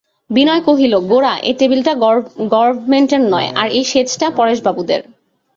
বিনয় কহিল, গোরা, এ টেবিলটা গবর্মেন্টের নয়, আর এই শেজটা পরেশবাবুদের।